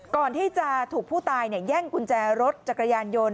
ก่อนที่จะถูกผู้ตายแย่งกุญแจรถจักรยานยนต์